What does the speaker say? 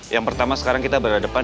yang pertama sekarang kita berhadapan